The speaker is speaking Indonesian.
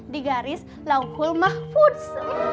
digaris langkul mahfudz